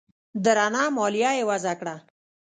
درنه مالیه یې وضعه کړه